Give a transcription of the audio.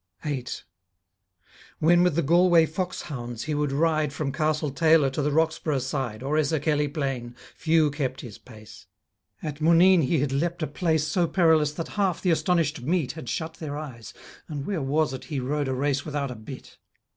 8 When with the Galway foxhounds he would ride From Castle Taylor to the Roxborough side Or Esserkelly plain, few kept his pace; At Mooneen he had leaped a place So perilous that half the astonished meet Had shut their eyes, and where was it He rode a race without a bit?